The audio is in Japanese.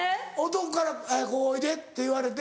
男から「おいで」って言われて。